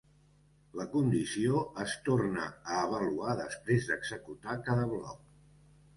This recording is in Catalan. La condició es torna a avaluar després d'executar cada bloc.